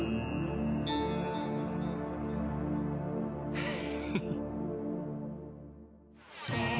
フフ。